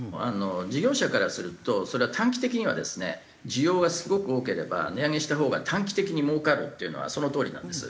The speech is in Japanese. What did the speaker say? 事業者からするとそれは短期的にはですね需要がすごく多ければ値上げしたほうが短期的に儲かるっていうのはそのとおりなんです。